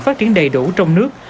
phát triển đầy đủ trong nước